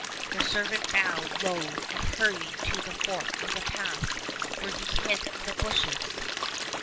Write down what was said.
The servant bowed low and hurried to the fork of the path, where he hid in the bushes.